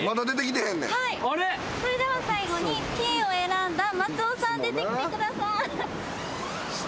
それでは最後にＴを選んだ松尾さん出てきてください。